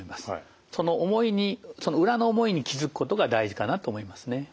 その思いにその裏の思いに気付くことが大事かなと思いますね。